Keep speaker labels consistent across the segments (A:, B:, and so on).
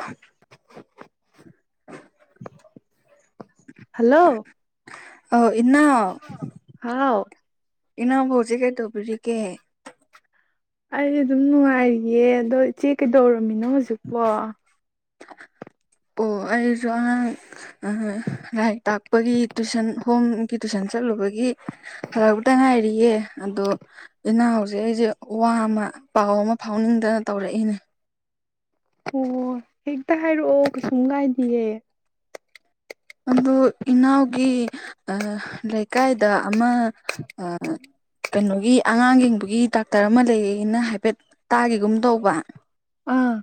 A: [inaudible]
B: Hello
A: ꯑ ꯏꯅꯥꯎ
B: ꯍꯥꯎ
A: ꯢꯅꯥꯎꯕꯨ ꯍꯧꯖꯤꯛ ꯀꯩꯗꯧꯕꯤꯔꯤꯒꯦ
B: ꯑꯩ ꯑꯗꯨꯝ ꯅꯨꯡꯉꯥꯏꯔꯤꯌꯦ ꯑꯗꯣ ꯏꯆꯦ ꯀꯩꯗꯧꯔꯝꯃꯤꯅꯣ ꯍꯧꯖꯤꯛꯄꯣ
A: ꯑꯣ ꯑꯩꯁꯨ ꯑꯉꯥꯡ ꯂꯥꯏꯔꯤꯛ ꯇꯥꯛꯄꯒꯤ ꯇꯨꯏꯁꯟ ꯍꯣꯝꯒꯤ ꯇꯨꯏꯁꯟ ꯆꯠꯂꯨꯕꯒꯤ ꯍꯥꯜꯂꯛꯕꯇ ꯉꯥꯏꯔꯤꯌꯦ ꯑꯗꯣ ꯏꯅꯥꯎꯁꯦ ꯑꯩꯁꯦ ꯋꯥ ꯑꯃ ꯄꯥꯎ ꯑꯃ ꯐꯥꯎꯅꯤꯡꯗꯅ ꯇꯧꯔꯛꯏꯅꯦ
B: ꯑꯣ ꯍꯦꯛꯇ ꯍꯥꯏꯔꯛꯑꯣ ꯀꯩꯁꯨꯝ ꯀꯥꯏꯗꯤꯌꯦ
A: ꯑꯗꯨ ꯏꯅꯥꯎꯒꯤ ꯑꯥ ꯂꯩꯀꯥꯏꯗ ꯑꯃ ꯑꯥ ꯀꯩꯅꯣꯒꯤ ꯑꯉꯥꯡ ꯌꯦꯡꯕꯒꯤ ꯗꯥꯛꯇꯥꯔ ꯑꯃ ꯂꯩꯌꯦꯅ ꯍꯥꯏꯐꯦꯠ ꯇꯥꯒꯤꯒꯨꯝ ꯇꯧꯕ
B: ꯑꯥ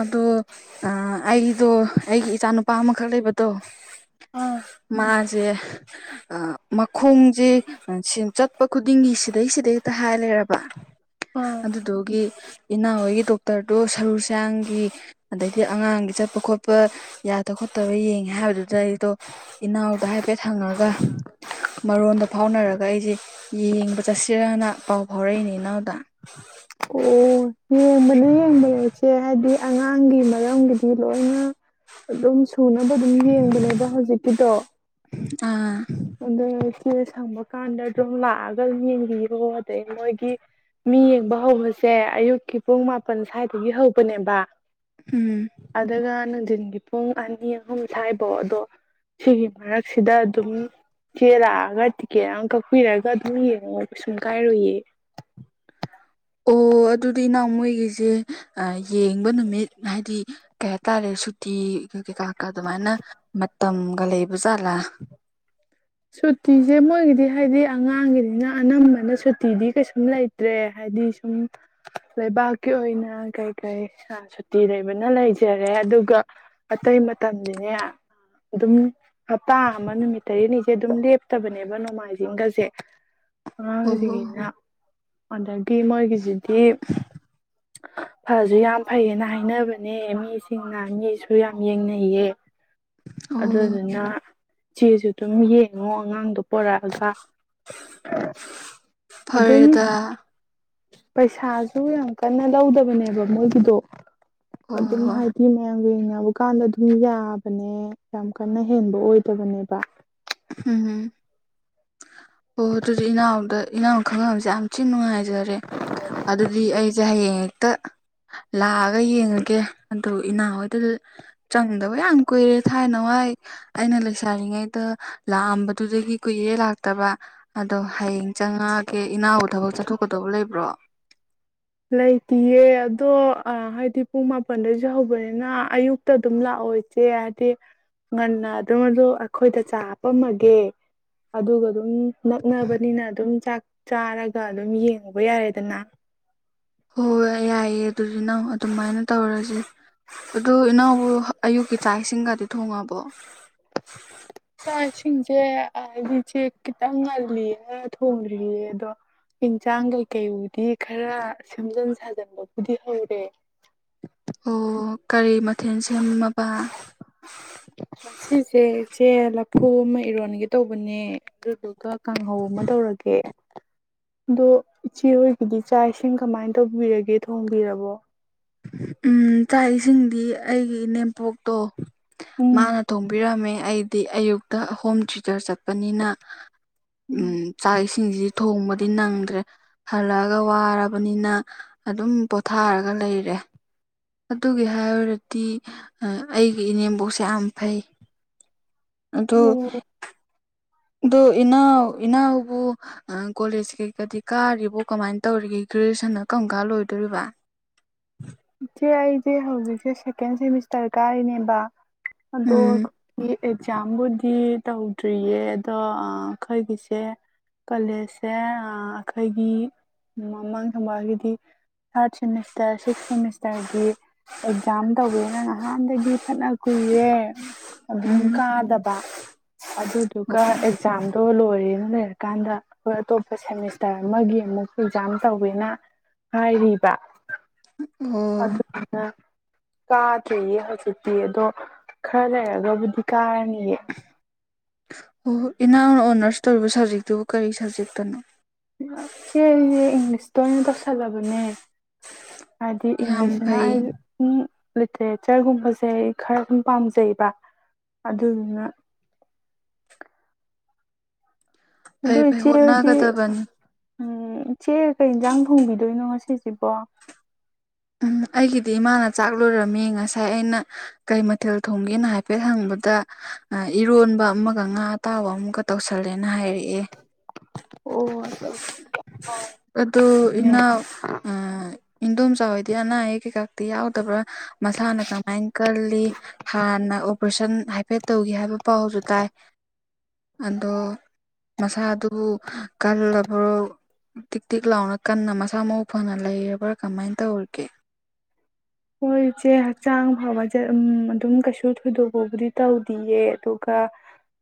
A: ꯑꯗꯣ ꯑꯥ ꯑꯩꯗꯣ ꯑꯩꯒꯤ ꯏꯆꯥ ꯅꯨꯨꯄꯥ ꯑꯃꯈꯛ ꯂꯩꯕꯗꯣ
B: ꯑꯥ
A: ꯃꯥꯁꯦ ꯑꯥ ꯃꯈꯣꯡꯁꯦ ꯆꯠꯄ ꯈꯨꯗꯤꯡꯒꯤ ꯁꯤꯗꯩ ꯁꯤꯗꯩ ꯍꯦꯛꯇ ꯍꯥꯏ ꯂꯩꯔꯕ
B: ꯑꯥ
A: ꯑꯗꯨꯗꯨꯒꯤ ꯏꯅꯥꯎ ꯍꯣꯏꯒꯤ ꯗꯣꯛꯇꯥꯔꯗꯨ ꯁꯔꯨ ꯁꯥꯌꯥꯡꯒꯤ ꯑꯗꯩꯗꯤ ꯑꯉꯥꯡꯒꯤ ꯆꯠꯄ ꯈꯣꯠꯄ ꯌꯥꯗꯕ ꯈꯣꯠꯇꯕ ꯌꯦꯡ ꯍꯥꯏꯕꯗꯨꯗ ꯑꯩꯗꯣ ꯏꯅꯥꯎꯗ ꯍꯥꯏꯐꯦꯠ ꯍꯪꯉꯒ ꯃꯔꯣꯟꯗꯣ ꯐꯥꯎꯅꯔꯒ ꯑꯩꯁꯦ ꯌꯦꯡꯕ ꯆꯠꯁꯤꯔꯅ ꯄꯥꯎ ꯐꯥꯎꯔꯛꯏꯅꯤ ꯏꯅꯥꯎꯗ
B: ꯑꯣ ꯌꯦꯡꯕꯅꯦ ꯌꯦꯡꯕꯅꯦ ꯏꯆꯦ ꯍꯥꯏꯗꯤ ꯑꯉꯥꯡꯒꯤ ꯃꯔꯝꯒꯤꯗꯤ ꯂꯣꯏꯅ ꯑꯗꯨꯝ ꯁꯨꯅꯕ ꯑꯗꯨꯝ ꯌꯦꯡꯕꯅꯦꯕ ꯍꯧꯖꯤꯛꯀꯤꯗꯣ
A: ꯑꯥ
B: ꯑꯗꯨ ꯢꯆꯦꯅ ꯁꯪꯕ ꯀꯥꯟꯗ ꯑꯗꯨꯝ ꯂꯥꯛꯑꯒ ꯌꯦꯡꯕꯤꯔꯣ ꯑꯗꯩ ꯃꯣꯏꯒꯤ ꯃꯤ ꯌꯦꯡꯕ ꯍꯧꯕꯁꯦ ꯑꯌꯨꯛꯀꯤ ꯄꯨꯡ ꯃꯥꯄꯜ ꯁ꯭ꯋꯥꯏꯗꯒꯤ ꯍꯧꯕꯅꯦꯕ
A: ꯎꯝ
B: ꯑꯗꯨꯒ ꯅꯨꯡꯊꯤꯟꯒꯤ ꯄꯨꯡ ꯑꯅꯤ ꯑꯍꯨꯝ ꯁꯥꯢꯕꯧ ꯑꯗꯣ ꯁꯤꯒꯤ ꯃꯔꯛꯁꯤꯗ ꯑꯗꯨꯝ ꯆꯦ ꯂꯥꯛꯑꯒ ꯇꯤꯛꯀꯦꯠ ꯑꯝ ꯀꯛꯄꯤꯔꯒ ꯑꯗꯨꯝ ꯌꯦꯡꯉꯣ ꯀꯩ ꯁꯨꯡ ꯀꯥꯏꯔꯨꯌꯦ
A: ꯑꯣ ꯑꯗꯨꯗꯤ ꯏꯅꯥꯎ ꯃꯣꯏꯒꯤꯖꯦ ꯌꯦꯡꯕ ꯅꯨꯃꯤꯠ ꯍꯥꯏꯗꯤ ꯀꯩ ꯍꯥꯏꯇꯥꯔꯦ ꯁꯨꯇꯤꯒ ꯀꯩꯀꯥꯀ ꯑꯗꯨꯃꯥꯏꯅ ꯃꯇꯝꯒ ꯂꯩꯕꯖꯥꯠꯂꯥ
B: ꯁꯨꯇꯤꯁꯦ ꯃꯣꯏꯒꯤꯗꯤ ꯍꯥꯏꯗꯤ ꯑꯉꯥꯡꯒꯤꯅꯤꯅ ꯑꯅꯝꯕꯅ ꯁꯨꯇꯤꯗꯤ ꯀꯩꯁꯨꯝ ꯂꯩꯇ ꯇ꯭ꯔꯦ ꯍꯥꯏꯗꯤ ꯁꯨꯝ ꯂꯩꯕꯥꯛꯀꯤ ꯑꯣꯏꯅ ꯀꯩ ꯀꯩ ꯁꯨꯇꯤ ꯂꯩꯕꯅ ꯂꯩꯖꯔꯦ ꯑꯗꯨꯒ ꯑꯇꯩ ꯃꯇꯝꯗꯤꯅꯦ ꯑꯗꯨꯝ ꯍꯞꯇꯥ ꯑꯃ ꯅꯨꯃꯤꯠ ꯇꯔꯦꯅꯤ ꯁꯦ ꯑꯗꯨꯝ ꯂꯦꯞꯇꯕꯅꯦꯕ ꯅꯣꯡꯃꯥꯏꯖꯤꯡꯒꯖꯦ
A: ꯑꯣ
B: ꯑꯉꯥꯡꯖꯤꯡꯒꯤꯅꯤꯅ ꯑꯗꯒꯤ ꯃꯣꯏꯒꯤꯖꯤꯗꯤ ꯐꯖꯨ ꯌꯥꯝ ꯐꯩꯌꯦꯅ ꯍꯥꯏꯅꯕꯅꯦ ꯃꯤꯁꯤꯡꯅ ꯃꯤꯁꯨ ꯌꯥꯝ ꯌꯦꯡꯅꯩꯌꯦ
A: [inaudible]
B: ꯑꯗꯨ
A: ꯑꯣ
B: ꯗꯨꯅ ꯆꯦꯖꯨ ꯑꯗꯨꯝ ꯌꯦ ꯉꯣ ꯑꯉꯥꯡꯗꯣ ꯄꯣꯔꯛꯑꯒ
A: ꯐꯔꯦꯗ
B: ꯄꯩꯁꯥꯖꯨ ꯌꯥꯝ ꯀꯟꯅ ꯂꯧꯗꯕꯅꯦꯕ ꯃꯣꯏꯒꯤꯗꯣ
A: ꯑꯣ
B: ꯑꯗꯨꯝ
A: ꯍꯣ
B: ꯍꯥꯏ ꯃꯤ ꯃꯌꯥꯝꯒ ꯌꯦꯡꯅꯕ ꯀꯥꯟꯗ ꯑꯗꯨꯝ ꯌꯥꯕꯅꯦ ꯌꯥꯝ ꯀꯟꯅ ꯍꯦꯟꯕ ꯑꯣꯏꯗꯕꯅꯦꯕ
A: ꯍꯝ ꯑꯣ ꯑꯗꯨꯗꯤ ꯏꯅꯥꯎꯗ ꯏꯅꯥꯎ ꯈꯪꯅꯕꯖꯦ ꯌꯥꯝ ꯊꯤꯅ ꯅꯨꯡꯉꯥꯏꯖꯔꯦ ꯑꯗꯨꯗꯤ ꯑꯩꯖꯦ ꯍꯌꯦꯡ ꯍꯦꯛꯇ ꯂꯥꯛꯑꯒ ꯌꯦꯡꯉꯒꯦ ꯑꯗꯨ ꯏꯅꯥꯎ ꯍꯣꯏꯗ ꯆꯪꯗꯕ ꯌꯥꯝ ꯀꯨꯏꯔꯦ ꯊꯥꯏꯅꯋꯥꯏ ꯑꯩꯅ ꯂꯩꯁꯥꯔꯤꯉꯩꯗ ꯂꯥꯛꯑꯝꯕꯗꯨꯗꯒꯤ ꯀꯨꯏꯔꯦ ꯂꯥꯛꯇꯕ ꯑꯗꯣ ꯍꯌꯦꯡ ꯆꯪꯉꯒꯦ ꯏꯅꯥꯎꯕꯨ ꯊꯕꯛ ꯆꯠꯊꯣꯛꯀꯗꯧꯕ ꯂꯩꯕ꯭ꯔꯣ
B: ꯂꯩꯇ꯭ꯌꯦ ꯑꯗꯣ ꯑꯥ ꯍꯥꯏꯗꯤ ꯄꯨꯡ ꯃꯥꯄꯜꯗꯩꯩꯖꯨ ꯍꯧꯕꯅꯤꯅ ꯑꯌꯨꯛ ꯇ ꯑꯗꯨꯝ ꯂꯥꯛꯑꯣ ꯏꯆꯦ ꯍꯥꯏꯗꯤ ꯉꯟꯅ ꯑꯗꯨꯝ ꯑꯗ ꯑꯩꯈꯣꯏꯗ ꯆꯥ ꯍꯥꯄꯝꯃꯒꯦ ꯑꯗꯨꯒ ꯑꯗꯨꯝ ꯅꯛꯅꯕꯅꯤꯅ ꯑꯗꯨꯝ ꯆꯥꯛ ꯆꯥꯔꯒ ꯑꯗꯨꯝ ꯌꯦꯡꯉꯨꯕ ꯌꯥꯔꯦꯗꯅ
A: ꯍꯣ ꯍꯣꯏ ꯌꯥꯏꯌꯦ ꯑꯗꯨꯖꯨ ꯅꯪ ꯑꯗꯨꯃꯥꯏꯅ ꯇꯧꯔꯖꯤ ꯑꯗꯨ ꯏꯅꯥꯎꯕꯨ ꯑꯌꯨꯛꯀꯤ ꯆꯥꯛ ꯏꯁꯤꯡꯒꯗꯤ ꯊꯣꯡꯉꯕꯣ
B: ꯆꯥꯛ ꯏꯁꯤꯡꯖꯦ ꯑꯥ ꯑꯩꯗꯤ ꯆꯦ ꯈꯤꯇꯪ ꯉꯜꯂꯤꯌꯦ ꯊꯣꯡꯗ꯭ꯔꯤꯌꯦ ꯑꯗꯣ ꯏꯪꯖꯥꯡ ꯀꯩꯀꯩꯕꯨꯗꯤ ꯈꯔ ꯁꯦꯝꯖꯟ ꯁꯥꯖꯟꯕꯕꯨꯗꯤ ꯍꯧꯔꯦ
A: ꯑꯣ ꯀꯔꯤ ꯃꯊꯦꯜ ꯁꯦꯝꯃꯕ
B: ꯉꯁꯤꯖꯦ ꯏꯆꯦ ꯂꯐꯨ ꯑꯃ ꯏꯔꯣꯟꯒꯦ ꯇꯧꯕꯅꯦ ꯑꯗꯨꯗꯨꯒ ꯀꯥꯡꯍꯧ ꯑꯃ ꯇꯧꯔꯒꯦ ꯑꯗꯣ ꯏꯆꯦ ꯍꯣꯏꯒꯤꯗꯤ ꯆꯥꯛ ꯏꯁꯤꯡ ꯀꯃꯥꯏ ꯇꯧꯕꯤꯔꯒꯦ ꯊꯣꯡꯕꯤꯔꯕꯣ
A: ꯎꯝ ꯆꯥꯛ ꯏꯁꯤꯡꯗꯤ ꯑꯩꯒꯤ ꯏꯅꯦꯝꯄꯣꯛꯇꯣ
B: ꯎꯝ
A: ꯃꯥꯅ ꯊꯣꯡꯕꯤꯔꯝꯃꯦ ꯑꯩꯗꯤ ꯑꯌꯨꯛꯇ ꯍꯣꯝ ꯇꯨꯏꯇꯔ ꯆꯠꯄꯅꯤꯅ ꯎꯝ ꯆꯥꯛ ꯏꯁꯤꯡꯖꯤꯗꯤ ꯊꯣꯡꯕꯗꯤ ꯅꯪꯗ꯭ꯔꯦ ꯍꯜꯂꯛꯑꯒ ꯋꯥꯔꯕꯅꯤꯅ ꯑꯗꯨꯝ ꯄꯣꯊꯥꯔꯒ ꯂꯩꯔꯦ ꯑꯗꯨꯒꯤ ꯍꯥꯏꯔꯨꯔꯗꯤ ꯑꯩꯒꯤ ꯏꯅꯦꯝꯕꯣꯛꯁꯦ ꯌꯥꯝ ꯐꯩ ꯑꯗꯨ
B: ꯑꯣ
A: ꯗꯣ ꯏꯅꯥꯎ ꯏꯅꯥꯎꯕꯨ ꯑ ꯀꯣꯂꯦꯖ ꯀꯩꯀꯗꯤ ꯀꯥꯔꯤꯕꯣ ꯀꯃꯥꯏꯟ ꯇꯧꯔꯤꯒꯦ ꯒ꯭ꯔꯦꯖꯨꯋꯦꯁꯟꯅ ꯀꯔꯝ ꯀꯥꯟ ꯂꯣꯏꯗꯣꯔꯤꯕ
B: ꯏꯆꯦ ꯑꯩꯖꯦ ꯍꯧꯖꯤꯛꯁꯦ ꯁꯦꯀꯦꯟ ꯁꯦꯃꯤꯁꯇꯔ ꯀꯥꯔꯤꯅꯦꯕ ꯑꯗꯣ
A: ꯎꯝ
B: ꯑꯦꯛꯖꯥꯝꯕꯨꯗꯤ ꯇꯧꯗ꯭ꯔꯤꯌꯦ ꯑꯗꯣ ꯑꯥ ꯑꯈꯣꯏꯒꯤꯁꯦ ꯀꯣꯂꯦꯖꯁꯦ ꯑꯥ ꯑꯩꯈꯣꯏꯒꯤ ꯃꯃꯥꯡ ꯊꯪꯕꯒꯤꯗꯤ ꯊꯥꯔꯠ ꯁꯦꯃꯤꯁꯇꯥꯔ ꯁꯤꯛꯁ ꯁꯦꯃꯤꯁ ꯇꯥꯔꯒꯤ ꯑꯦꯛꯖꯥꯝ ꯇꯧꯒꯦꯅ ꯅꯍꯥꯟꯗꯒꯤ ꯐꯅ ꯀꯨꯏꯔꯦ ꯑꯗꯨꯝ
A: ꯎꯝ
B: ꯀꯥꯗꯕ ꯑꯗꯨꯗꯨꯒ ꯑꯦꯛꯖꯥꯝꯗꯣ ꯂꯣꯏꯔꯦꯅ ꯂꯩꯔꯀꯥꯟꯗ ꯑꯩꯈꯣꯏ ꯑꯇꯣꯞꯄ ꯁꯦꯃꯤꯁꯇꯥꯔ ꯑꯃꯒꯤ ꯑꯃꯨꯛ ꯑꯦꯛꯖꯥꯝ ꯇꯧꯋꯦꯅ ꯍꯥꯏꯔꯤꯕ
A: ꯑꯣ
B: ꯑꯗ [unintelligible] ꯀꯥꯗ꯭ꯔꯦꯌꯦ ꯍꯧꯖꯤꯛꯇꯤ ꯑꯗꯣ ꯈꯔ ꯂꯩꯔꯒꯕꯨꯗꯤ ꯀꯥꯔꯅꯤꯌꯦ
A: ꯑꯣ ꯏꯅꯥꯎꯅ ꯑꯣꯅꯥꯔꯁ ꯇꯧꯔꯤꯕ ꯁꯥꯞꯖꯦꯛꯇꯨꯕꯨ ꯀꯔꯤ ꯁꯥꯞꯖꯦꯛꯇꯅꯣ
B: ꯆꯦ ꯑꯩꯗꯤ ꯏꯪꯂꯤꯁꯇ ꯑꯣꯢꯅ ꯇꯧꯁꯜꯂꯕꯅꯦ ꯍꯥꯢꯗꯤ
A: ꯌꯥꯝ
B: ꯏꯪꯂꯤꯁꯁꯤꯅ
A: ꯐꯩ
B: ꯑꯩꯒꯤ ꯎꯝ ꯂꯤꯇꯔꯦꯆꯔꯒꯨꯝꯕꯁꯦ ꯑꯩ ꯈꯔ ꯑꯗꯨꯝ ꯄꯥꯝꯖꯩꯕ ꯑꯗꯨꯗꯨꯅ
A: ꯐꯩ
B: ꯑꯗꯨ
A: ꯐꯩ
B: ꯏꯆꯦ ꯍꯣꯢꯗꯤ
A: ꯍꯣꯠꯅꯒꯗꯕꯅꯤ
B: ꯎꯝ ꯏꯆꯦ ꯀꯩ ꯌꯦꯟꯖꯥꯡ ꯊꯣꯡꯕꯤꯗꯣꯏꯅꯣ ꯉꯁꯤꯁꯤꯕꯣ
A: ꯎꯝ ꯑꯩꯒꯤꯗꯤ ꯏꯃꯥꯅ ꯆꯥꯛ ꯂꯣꯏꯔꯝꯃꯦ ꯉꯁꯥꯏ ꯑꯩꯅ ꯀꯩ ꯃꯊꯦꯜ ꯊꯣꯡꯒꯦꯅ ꯍꯥꯏꯐꯦꯠ ꯍꯪꯕꯗ ꯏꯔꯣꯟꯕ ꯑꯃꯒ ꯉꯥ ꯑꯇꯥꯎꯕ ꯑꯃꯒ ꯇꯧꯁꯜꯂꯦꯅ ꯍꯥꯏꯔꯛꯑꯦ
B: ꯑꯣ ꯑꯗꯣ
A: ꯑꯗꯣ ꯏꯅꯥꯎ ꯑꯥ ꯏꯗꯣꯝ ꯆꯥ ꯍꯣꯢꯗꯤ ꯑꯅꯥ ꯑꯌꯦꯛ ꯀꯩꯀꯥꯇꯤ ꯌꯥꯎꯗꯕ꯭ꯔꯥ ꯃꯁꯥꯅ ꯀꯃꯥꯏ ꯀꯜꯂꯤ ꯍꯥꯟꯅ ꯑꯣꯄ꯭ꯔꯦꯁꯟ ꯍꯥꯏꯐꯦꯠ ꯇꯧꯒꯤ ꯍꯥꯏꯕ ꯄꯥꯎꯁꯨ ꯇꯥꯏ ꯑꯗꯣ ꯃꯁꯥꯗꯨꯕꯨ ꯀꯜꯂ [unintelligible] ꯇꯤꯛ ꯇꯤꯛ ꯂꯥꯎꯅ ꯀꯟꯅ ꯃꯁꯥ ꯃꯎꯨ ꯐꯅ ꯂꯩꯔꯕ꯭ꯔꯥ ꯀꯃꯥꯏꯅ ꯇꯧꯔꯤꯒꯦ
B: ꯍꯣꯏ ꯏꯆꯦ ꯍꯛꯆꯥꯡ ꯐꯥꯕ ꯑꯗꯨꯝ ꯀꯩꯁꯨ ꯊꯣꯏꯗꯣꯛꯄꯕꯨꯗꯤ ꯇꯧꯗꯤꯌꯦ ꯑꯗꯨꯒ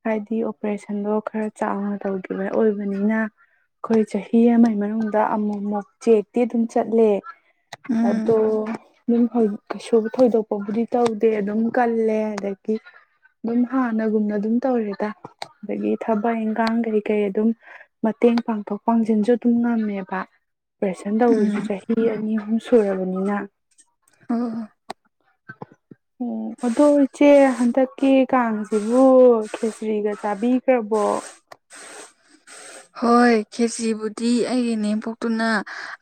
B: ꯍꯥꯏꯗꯤ ꯑꯣꯄ꯭ꯔꯦꯁꯟꯗꯣ ꯈꯔ ꯆꯥꯎꯅ ꯇꯧꯈꯤꯕ ꯑꯣꯏꯕꯅꯤꯅ ꯑꯩꯈꯣꯏ ꯆꯍꯤ ꯑꯃꯒꯤ ꯃꯅꯨꯡꯗ ꯑꯃꯨꯛ ꯃꯨꯛ ꯆꯦꯛꯇꯤ ꯑꯗꯨꯝ ꯆꯠꯂꯦ ꯑꯗꯣ
A: ꯎꯝ
B: ꯑꯗꯨꯝ ꯀꯩꯁꯨ ꯊꯣꯏꯗꯣꯛꯄꯕꯨꯗꯤ ꯇꯧꯗꯦ ꯑꯗꯨꯝ ꯀꯜꯂꯦ ꯑꯗꯒꯤ ꯑꯗꯨꯝ ꯍꯥꯟꯅꯒꯨꯝꯅ ꯑꯗꯨꯝ ꯇꯧꯔꯦꯗ ꯑꯗꯒꯤ ꯊꯕꯛ ꯏꯪꯈꯥꯡ ꯀꯩ ꯀꯩ ꯑꯗꯨꯝ ꯃꯇꯦꯡ ꯄꯥꯡꯊꯣꯛ ꯄꯥꯡꯁꯤꯟꯁꯨ ꯑꯗꯨꯝ ꯉꯝꯃꯦꯕ ꯑꯣꯄ꯭ꯔꯦꯁꯟ ꯇꯧꯕꯁꯨ
A: ꯎꯝ
B: ꯆꯍꯤ ꯑꯅꯤ ꯑꯍꯨꯝ ꯁꯨꯔꯕꯅꯤꯅ
A: ꯑꯣ ꯍꯣ
B: ꯑꯣ ꯑꯗꯣ ꯏꯆꯦ ꯍꯟꯗꯛꯀꯤ ꯀꯥꯡꯁꯤꯕꯨ ꯈꯦꯆ꯭ꯔꯤꯒ ꯆꯥꯕꯤ ꯔꯕꯣ
A: ꯍꯣꯏ ꯈꯦꯆꯤꯕꯨꯗꯤ ꯑꯩꯒꯤ ꯅꯦꯝꯄꯣꯛꯇꯨꯅ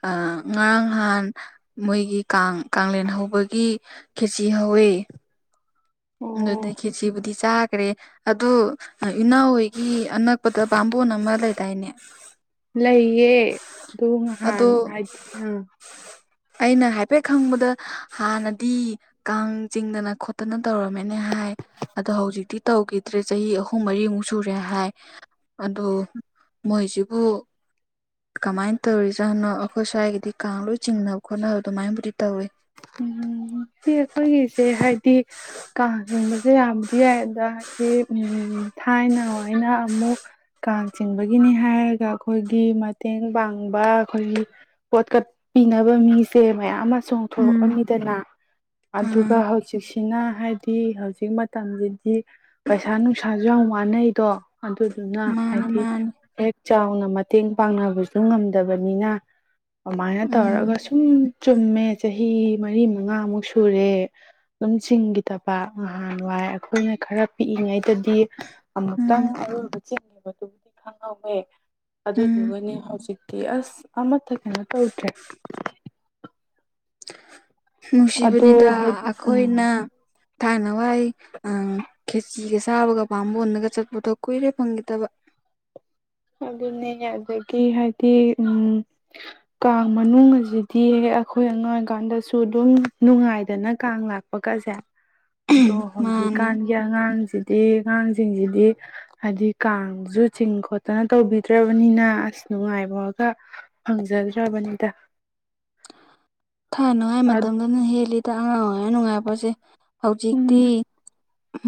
A: ꯑꯥ ꯉꯔꯥꯡ ꯅꯍꯥꯟ ꯃꯣꯏꯒꯤ ꯀꯥꯡ ꯀꯂꯦꯟ ꯍꯧꯕꯒꯤ ꯈꯦꯆꯤ ꯍꯧꯋꯦ
B: ꯑꯣ
A: ꯑꯗꯨꯗ ꯈꯦꯆꯤꯕꯨꯗꯤ ꯆꯥꯒ꯭ꯔꯦ ꯑꯗꯨ ꯑꯥ ꯏꯅꯥꯎꯍꯣꯏꯒꯤ ꯑꯅꯛꯄꯗ ꯕꯝꯕꯣꯟ ꯑꯃ ꯂꯩꯗꯥꯏꯅꯦ?
B: ꯂꯩꯌꯦ ꯑꯗꯨ ꯅꯍꯥꯟ
A: ꯑꯗꯣ
B: ꯍꯥꯏꯗꯤ ꯑꯥ
A: ꯑꯩꯅ ꯍꯥꯏꯐꯦꯠ ꯈꯪꯕꯗ ꯍꯥꯟꯅꯗꯤ ꯀꯥꯡ ꯆꯤꯡꯗꯅ ꯈꯣꯠꯇꯅ__ ꯇꯧꯔꯝꯃꯦꯅꯦ ꯍꯥꯏ ꯑꯗꯣ ꯍꯧꯖꯤꯛꯇꯤ ꯇꯧꯒꯤ__ ꯇ꯭ꯔꯦ ꯆꯍꯤ ꯑꯍꯨꯝ ꯃꯔꯤꯃꯨꯛ ꯁꯨꯔꯦ ꯍꯥꯏ ꯑꯗꯨ ꯃꯣꯏꯁꯤꯕꯨ__ ꯀꯃꯥꯏ ꯇꯧꯔꯤꯖꯥꯠꯅꯣ ꯑꯩꯈꯣꯏ ꯁ꯭ꯋꯥꯏꯒꯤꯗꯤ ꯀꯥꯡ ꯂꯣꯏ ꯆꯤꯡꯅ ꯈꯣꯠꯅꯕ ꯑꯗꯨꯃꯥꯏ ꯕꯨꯗꯤ ꯇꯧꯋꯦ꯫
B: ꯎꯝ ꯁꯤ ꯑꯈꯣꯏꯒꯤꯁꯦ ꯍꯥꯏꯗꯤ__ ꯀꯥꯡ ꯆꯤꯡꯕꯁꯦ ꯌꯥꯕꯗꯤ ꯌꯥꯏꯌꯦ ꯑꯗꯒꯤ ꯎꯝ ꯊꯥꯏꯅ ꯍꯣꯏꯅ ꯑꯃꯨꯛ__ ꯀꯥꯡ ꯆꯤꯡꯕꯒꯤꯅꯤ ꯍꯥꯏꯔꯒ ꯑꯈꯣꯏꯒꯤ ꯃꯇꯦꯡ ꯄꯥꯡꯕ ꯑꯈꯣꯏꯒꯤ__ ꯄꯣꯠ ꯀꯠ ꯄꯤꯅꯕ ꯃꯤꯁꯦ ꯃꯌꯥꯝ ꯑꯃ__
A: ꯎꯝ
B: ꯆꯣꯡꯊꯣꯛꯑꯅꯤꯗꯅ ꯑꯗꯨꯒ
A: ꯎꯝ
B: ꯍꯧꯖꯤꯛꯁꯤ__ ꯏꯅ ꯍꯥꯏꯗꯤ ꯍꯧꯖꯤꯛ ꯃꯇꯝꯁꯤꯗꯤ ꯄꯩꯁꯥ ꯅꯨꯡꯁꯥꯁꯨ ꯌꯥꯝ ꯋꯥꯅꯩꯗꯣ꯫ ꯑꯗꯨꯗꯨꯅ
A: ꯃꯥꯅꯦ
B: ꯍꯥꯏꯗꯤ__
A: ꯃꯥꯅꯦ
B: ꯍꯦꯛ ꯆꯥꯎꯅ ꯃꯇꯦꯡ ꯄꯥꯡꯅꯕꯁꯨ ꯉꯝꯗꯕꯅꯤꯅ ꯑꯃꯥꯏꯅ
A: ꯎꯝ
B: ꯇꯧꯔꯒꯁꯨ__ ꯎꯝ ꯆꯨꯝꯃꯦ ꯆꯍꯤ ꯃꯔꯤ ꯃꯉꯥꯃꯨꯛ ꯁꯨꯔꯦ꯫ ꯎꯝ ꯁꯤꯡꯒꯤꯗꯕ ꯅꯍꯥꯟꯋꯥꯏ ꯑꯈꯣꯏꯅ ꯈꯔ__ ꯄꯤꯛꯏꯉꯩꯗꯗꯤ ꯑꯃꯨꯛꯇꯪ
A: ꯎꯝ
B: ꯑꯔꯣꯏꯕ ꯆꯦꯟꯒꯤꯕꯗꯨꯕꯨꯗꯤ ꯈꯪꯍꯧꯋꯦ꯫
A: ꯎꯝ
B: ꯑꯗꯨꯗꯨꯒꯅꯦ ꯍꯧꯖꯤꯛꯇꯤ ꯑꯁ ꯑꯃꯠꯇ ꯀꯩꯅꯣ ꯇꯧꯗ꯭ꯔꯦ ꯑꯗꯣ
A: ꯅꯨꯡꯁꯤꯕꯅꯤꯗ
B: ꯎꯝ
A: ꯑꯈꯣꯏꯅ__ ꯊꯥꯏꯅ ꯋꯥꯏ ꯑꯥ ꯈꯦꯆꯤꯒ ꯆꯥꯕꯒ ꯕꯥꯃꯣꯟꯗꯒ ꯆꯠꯄꯗꯣ ꯀꯨꯏꯔꯦ ꯐꯪꯒꯤꯗꯕ꯫
B: ꯑꯗꯨꯅꯦ ꯑꯗꯒꯤ ꯍꯥꯏꯗꯤ ꯎꯝ__ ꯀꯥꯡ ꯃꯅꯨꯡ ꯁꯤꯗꯤ ꯑꯈꯣꯏ ꯑꯉꯥꯡ ꯑꯣꯏꯀꯥꯟꯗꯁꯨ ꯑꯗꯨꯝ ꯅꯨꯡꯉꯥꯏꯗꯅ ꯀꯥꯡ ꯂꯥꯛ__ ꯂꯥꯛꯄꯒꯁꯦ
A: [inaudible]
B: ꯑꯗꯣ
A: ꯃꯥꯅꯤ
B: ꯍꯧꯖꯤꯛꯀꯥꯟ ꯒꯤ ꯑꯉꯥꯡꯁꯤꯗꯤ ꯑꯉꯥꯡꯁꯤꯡꯁꯤꯗꯤ ꯍꯥꯏꯗꯤ ꯀꯥꯡꯁꯨ ꯆꯤꯡ ꯈꯣꯠ ꯐꯖꯅ ꯇꯧꯕꯤꯗ꯭ꯔꯕꯅꯤꯅ ꯑꯁ ꯅꯨꯡꯉꯥꯏꯕꯒ ꯐꯪꯖꯗ꯭ꯔꯕꯅꯤꯗ
A: [inaudible] ꯊꯥꯅꯉꯥꯏ ꯃꯇꯝꯗꯅ ꯍꯦꯜꯂꯤꯗ ꯑꯉꯥꯡ ꯑꯣꯏꯔꯤꯉꯥꯏ ꯅꯨꯡꯉꯥꯏꯕꯖꯦ ꯍꯧꯖꯤꯛꯇꯤ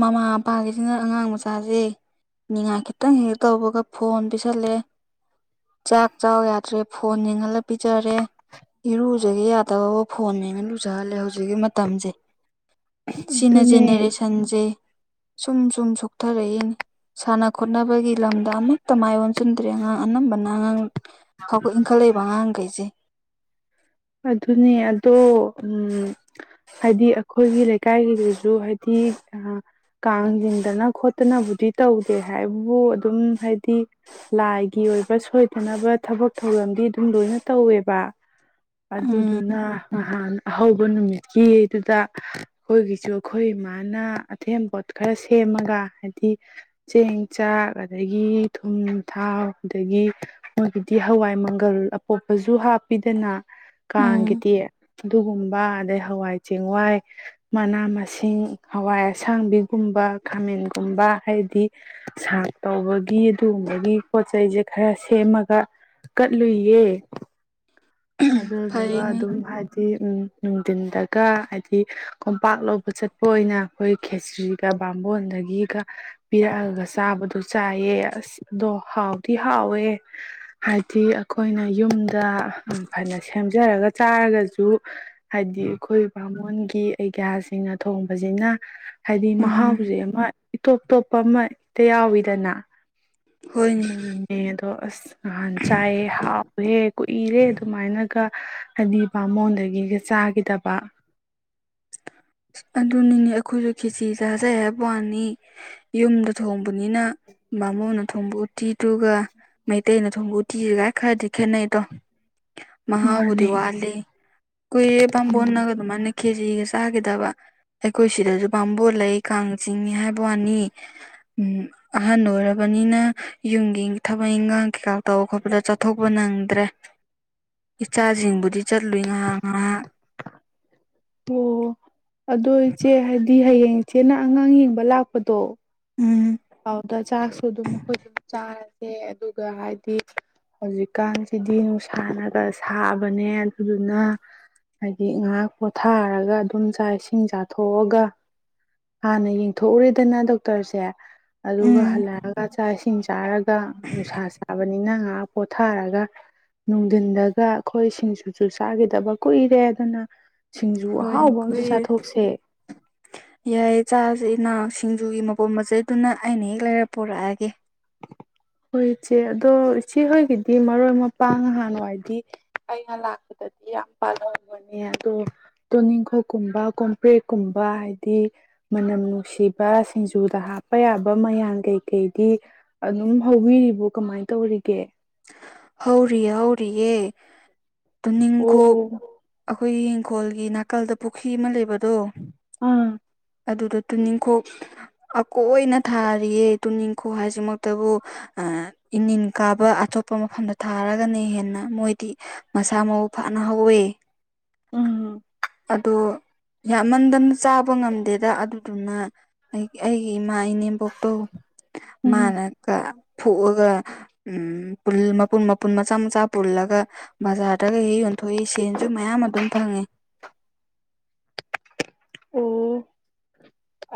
A: ꯃꯃꯥ ꯄꯥꯒꯤꯁꯤꯅ ꯑꯉꯥꯡ ꯃꯆꯥꯖꯦ ꯅꯤꯡꯉꯥꯏ ꯈꯤꯇꯪ ꯍꯦꯛ ꯇꯧꯕꯒ ꯐꯣꯟ ꯄꯤꯁꯜꯂꯦ ꯆꯥꯛ ꯆꯥꯎ ꯌꯥꯗ꯭ꯔꯦ ꯐꯣꯟ ꯌꯦꯡꯍꯜꯂ ꯄꯤꯖꯔꯦ ꯏꯔꯨꯖꯒꯦ ꯌꯥ ꯇꯧꯋꯣ ꯐꯣꯟ ꯌꯦꯡꯉ ꯂꯨꯖꯍꯜꯂꯦ ꯍꯧꯖꯤꯛꯀꯤ ꯃꯇꯝꯖꯦ ꯁꯤꯅ
B: ꯑꯗꯨꯅꯦ
A: ꯆꯦꯅꯦꯔꯦꯁꯟ ꯁꯟꯁꯦ ꯁꯨꯝ ꯁꯨꯝ ꯁꯣꯛꯊꯔꯛꯏꯅꯦ ꯁꯥꯟꯅ ꯈꯣꯠꯅꯕꯒꯤ ꯂꯝꯗ ꯑꯃꯠꯇ ꯃꯥꯏ ꯑꯣꯟꯁꯤꯟꯗ꯭ꯔꯦ ꯑꯉꯥꯡ ꯑꯅꯝꯕꯅ ꯑꯉꯥꯡ ꯍꯧꯒꯠ ꯏꯟꯈꯠꯂꯛꯏꯕ ꯑꯉꯥꯡꯈꯩꯖꯦ
B: ꯑꯗꯨꯅꯦ ꯑꯗꯣ ꯎꯝ ꯍꯥꯏꯗꯤ ꯑꯩꯈꯣꯏꯒꯤ ꯂꯩꯀꯥꯏꯒꯤꯗꯁꯨ ꯍꯥꯏꯗꯤ ꯑꯥ ꯀꯥꯡ ꯆꯤꯡꯗꯅ ꯈꯣꯠꯇꯅꯕꯨꯗꯤ ꯇꯧꯗꯦ ꯍꯥꯏꯕꯨ ꯑꯗꯨꯝ ꯍꯥꯏꯗꯤ ꯂꯥꯏꯒꯤ ꯑꯣꯏꯕ ꯁꯣꯏꯗꯅꯕ ꯊꯕꯛ ꯊꯧꯔꯝꯗꯤ ꯑꯗꯨꯝ ꯂꯣꯏꯅ ꯇꯧꯋꯦꯕ
A: ꯎꯝ
B: ꯑꯗꯨꯗꯨꯅ ꯅꯍꯥꯟ ꯑꯍꯧꯕ ꯅꯨꯃꯤꯠꯀꯤꯗꯨꯗ ꯑꯩꯈꯣꯏꯒꯤꯁꯨ ꯑꯩꯈꯣꯏ ꯏꯃꯥꯅ ꯑꯊꯦꯟꯄꯣꯠ ꯈꯔ ꯁꯦꯝꯃꯒ ꯍꯥꯏꯗꯤ ꯆꯦꯡ ꯆꯥꯛ ꯑꯗꯒꯤ ꯊꯨꯝ ꯊꯥꯎ ꯑꯗꯒꯤ ꯃꯣꯢꯒꯤꯗꯤ ꯍꯋꯥꯏ ꯃꯪꯒꯜ ꯑꯄꯣꯞꯄꯖꯨ ꯍꯥꯞꯄꯤꯗꯅ
A: ꯎꯝ
B: ꯀꯥꯡꯒꯤꯗꯤ ꯑꯗꯨꯒꯨꯝꯕ ꯑꯗꯩ ꯍꯋꯥꯏ ꯆꯦꯡꯋꯥꯏ ꯃꯅꯥ ꯃꯁꯤꯡ ꯍꯋꯥꯏ ꯑꯁꯥꯡꯕꯤꯒꯨꯝꯕ ꯈꯥꯃꯦꯟꯒꯨꯝꯕ ꯍꯥꯏꯗꯤ ꯁꯥꯛ ꯇꯧꯕꯒꯤ ꯑꯗꯨꯒꯨꯝꯕꯒꯤ ꯄꯣꯠ ꯆꯩꯁꯦ ꯈꯔ ꯁꯦꯝꯃꯒ ꯀꯠꯂꯨꯏꯌꯦ ꯑꯗꯨꯗꯨꯒ
A: ꯐꯩꯅꯤ
B: ꯑꯗꯨꯝ ꯍꯥꯏ ꯍꯥꯏꯗꯤ ꯎꯝ ꯅꯨꯡꯊꯤꯟꯗꯒ ꯍꯥꯏꯗꯤ ꯀꯣꯝꯄꯥꯛ ꯂꯧꯕ ꯆꯠꯄ ꯑꯣꯏꯅ ꯑꯩꯈꯣꯏ ꯈꯦꯆ꯭ꯔꯤꯒ ꯕꯥꯝꯕꯣꯟꯗꯒꯤꯒ ꯄꯤꯔꯛꯑꯒ ꯆꯥꯕꯗꯣ ꯆꯥꯏꯌꯦ ꯑꯁ ꯑꯗꯣ ꯍꯥꯎꯗꯤ ꯍꯥꯎꯋꯦ ꯍꯥꯏꯗꯤ ꯑꯩꯈꯣꯏꯅ ꯌꯨꯝꯗ ꯐꯅ ꯁꯦꯝꯖꯔꯒ ꯆꯥꯔꯒꯁꯨ ꯍꯥꯏꯗꯤ ꯑꯩꯈꯣꯏ ꯕꯥꯃꯣꯟꯒꯤ ꯑꯒ꯭ꯌꯥꯁꯤꯡꯅ ꯊꯣꯡꯕꯁꯤꯅ ꯍꯥꯏꯗꯤ
A: ꯎꯝ
B: ꯃꯍꯥꯎꯖꯦ ꯑꯃ ꯏꯇꯣꯞ ꯇꯣꯞꯄ ꯑꯃ ꯍꯦꯛꯇ ꯌꯥꯎꯋꯤꯗꯅ
A: ꯍꯣꯏꯅꯦ
B: ꯑꯗꯨꯅꯦ ꯑꯗꯣ ꯑꯁ ꯅꯍꯥꯟ ꯆꯥꯏꯑꯦ ꯍꯥꯎꯋꯦ ꯀꯨꯏꯔꯦ ꯑꯗꯨꯃꯥꯏꯅꯒ ꯍꯥꯏꯗꯤ ꯕꯥꯃꯣꯟꯗꯒꯤꯒ ꯆꯥꯒꯤꯗꯕ
A: ꯑꯗꯨꯅꯤꯅꯦ ꯑꯩꯈꯣꯏꯖꯨ ꯈꯦꯆꯤ ꯆꯥꯖꯩ ꯍꯥꯏꯕ ꯋꯥꯅꯤ ꯌꯨꯝꯗ ꯊꯣꯡꯕꯅꯤꯅ ꯕꯥꯃꯣꯟꯅ ꯊꯣꯡꯕ ꯎꯇꯤꯗꯨꯒ ꯃꯩꯇꯩꯅ ꯊꯣꯡꯕ ꯎꯇꯤꯒꯒꯥꯏ ꯈꯔꯗꯤ ꯈꯦꯠꯅꯩꯗꯣ ꯃꯍꯥꯎꯕꯨꯗꯤ
B: ꯃꯥꯅꯦ
A: ꯋꯥꯂꯦ ꯀꯨꯏꯔꯦ ꯕꯥꯝꯕꯣꯟꯅꯒ ꯑꯗꯨ ꯃꯥꯥꯏꯅ ꯈꯦꯆꯤꯒ ꯆꯥꯈꯤꯗꯕ ꯑꯩꯈꯣꯏ ꯁꯤꯗꯁꯨ ꯕꯥꯝꯕꯣꯟ ꯂꯩ ꯀꯥꯡ ꯆꯤꯡꯏ ꯍꯥꯏꯕ ꯋꯥꯅꯤ ꯎꯝ ꯑꯍꯟ ꯑꯣꯏꯔꯕꯅꯤꯅ ꯌꯨꯝꯒꯤ ꯊꯕꯛ ꯏꯟꯈꯥꯡ ꯀꯩꯀꯥ ꯇꯧ ꯈꯣꯠꯄꯗ ꯆꯠꯊꯣꯛꯄ ꯅꯪꯗ꯭ꯔꯦ ꯏꯆꯥꯁꯤꯡꯕꯨꯗꯤ ꯆꯠꯂꯨꯏ ꯉꯍꯥꯛ-ꯉꯍꯥꯛ
B: ꯑꯣ ꯑꯗꯣ ꯏꯆꯦ ꯍꯥꯏꯗꯤ ꯍꯌꯦꯡ ꯏꯆꯦꯅ ꯑꯉꯥꯡ ꯌꯦꯡꯕ ꯂꯥꯛꯄꯗꯣ
A: ꯎꯝ
B: ꯄꯥꯎꯗ ꯆꯥꯛꯁꯨ ꯑꯗꯨꯝ ꯄꯨꯟꯅ ꯆꯥꯔꯖꯦ ꯑꯗꯨꯒ ꯍꯥꯏꯗꯤ ꯍꯧꯖꯤꯛꯀꯥꯟꯁꯤꯗꯤ ꯅꯨꯡꯁꯥꯅꯒ ꯁꯥꯕꯅꯦ ꯑꯗꯨꯗꯨꯅ ꯍꯥꯏꯗꯤ ꯉꯍꯥꯛ ꯄꯣꯊꯥꯔꯒ ꯑꯗꯨꯝ ꯆꯥꯛ ꯏꯁꯤꯡ ꯆꯥꯊꯣꯛꯑꯒ ꯍꯥꯟꯅ ꯌꯦꯡꯊꯣꯛꯎꯔꯦꯗꯅ ꯗꯣꯛꯇꯔꯁꯦ ꯑꯗꯨꯒ
A: ꯎꯝ
B: ꯍꯜꯂꯛꯑꯒ ꯆꯥꯛ ꯏꯁꯤꯡ ꯆꯥꯔꯒ ꯅꯨꯡꯁꯥ ꯆꯥꯕꯅꯤꯅ ꯉꯍꯥꯛ ꯄꯣꯊꯥꯔꯒ ꯅꯨꯡꯗꯤꯟꯗꯒ ꯑꯩꯈꯣꯏ ꯁꯤꯡꯖꯨꯁꯨ ꯆꯥꯈꯤꯗꯕ ꯀꯨꯏꯔꯦ ꯑꯗꯨꯅ ꯁꯤꯡꯖꯨ
A: ꯍꯣꯏ
B: ꯑꯍꯥꯎꯕ ꯑꯝꯁꯨ
A: ꯀꯨꯏꯔꯦ
B: ꯆꯥꯊꯣꯛꯁꯦ
A: [unintelligible] ꯌꯥꯏꯌꯦ ꯆꯥꯁꯦ ꯏꯅꯥꯎ ꯁꯤꯡꯖꯨꯒꯤ ꯃꯄꯣꯠ ꯃꯆꯩꯗꯨꯅ ꯑꯩꯅ ꯍꯦꯛ ꯂꯩꯔ ꯄꯣꯔꯛꯑꯒꯦ
B: ꯍꯣꯏ ꯏꯆꯦ ꯑꯗꯣ ꯏꯆꯦꯍꯣꯏꯒꯤꯗꯤ ꯃꯔꯣꯏ ꯃꯄꯥꯡ ꯅꯍꯥꯟꯋꯥꯏꯗꯤ ꯑꯩꯅ ꯂꯥꯛꯄꯗꯗꯤ ꯌꯥꯝ ꯄꯥꯜꯍꯧꯕꯅꯦ ꯑꯗꯣ ꯇꯣꯅꯤꯡꯈꯣꯛꯀꯨꯝꯕ ꯀꯣꯝꯄ꯭ꯔꯦꯛꯀꯨꯝꯕ ꯍꯥꯏꯗꯤ ꯃꯅꯝ ꯅꯨꯡꯁꯤꯕ ꯁꯤꯡꯖꯨꯗ ꯍꯥꯞꯄ ꯌꯥꯕ ꯃꯌꯥꯟ ꯀꯩꯀꯩꯗꯤ ꯑꯗꯨꯝ ꯍꯧꯕꯤꯔꯤꯕꯣ ꯀꯃꯥꯏ ꯇꯧꯔꯤꯒꯦ
A: ꯍꯧꯔꯤꯌꯦ ꯍꯧꯔꯤꯌꯦ ꯇꯨꯅꯤꯡꯈꯣꯛ
B: ꯑꯣ
A: ꯑꯩꯈꯣꯏꯒꯤ ꯍꯤꯡꯈꯣꯜꯒꯤ ꯅꯥꯀꯜꯗ ꯄꯨꯈꯤ ꯑꯃ ꯂꯩꯕꯗꯣ
B: ꯑ
A: ꯑꯗꯨꯗ ꯇꯨꯅꯤꯡꯈꯣꯛ ꯑꯀꯣꯏꯅ ꯊꯥꯔꯤꯌꯦ ꯇꯨꯅꯤꯡꯈꯣꯛ ꯍꯥꯏꯁꯤꯃꯛꯇꯕꯨ ꯑ ꯏꯅꯤꯟ ꯀꯥꯕ ꯑꯆꯣꯠ ꯄ ꯃꯐꯝꯗ ꯊꯥꯔꯒꯅ ꯍꯦꯟꯅ ꯃꯣꯏꯗꯤ ꯃꯁꯥ ꯃꯎ ꯐꯅ ꯍꯧꯋꯦ
B: ꯎꯝ
A: ꯑꯗꯣ ꯌꯥꯝꯃꯟꯗꯅ ꯆꯥꯕ ꯉꯝꯗꯦꯗ ꯑꯗꯨꯗꯨꯅ ꯑꯩ ꯑꯩꯒꯤ ꯏꯃꯥ ꯏꯅꯦꯝ ꯄꯣꯛꯇꯣ
B: ꯎꯝ
A: ꯃꯥꯅ ꯑ ꯐꯨꯛꯑꯒ ꯎꯝ ꯄꯨꯜ ꯃꯄꯨꯟ ꯃꯄꯨꯟ ꯃꯆꯥ ꯃꯆꯥ ꯄꯨꯜꯂꯒ ꯕꯖꯥꯔꯗꯒ ꯍꯦꯛ ꯍꯦꯛ ꯌꯟꯊꯣꯛꯏ ꯁꯦꯟꯖꯨ ꯃꯌꯥꯝ ꯑꯗꯨꯝ ꯐꯪꯉꯤ
B: ꯑꯣ